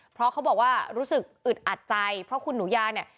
เพราะเขาบอกว่ารู้สึกอึดอัดใจเพราะคุณหนูยาเนี่ย